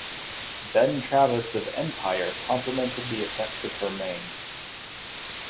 Ben Travis of "Empire" complimented the effects of her mane.